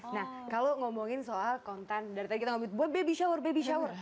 nah kalau ngomongin soal konten dari tadi kita ngomongin buat baby shower baby shower